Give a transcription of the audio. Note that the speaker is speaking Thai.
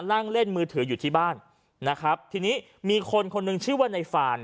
นั่งเล่นมือถืออยู่ที่บ้านนะครับทีนี้มีคนคนหนึ่งชื่อว่าในฟาน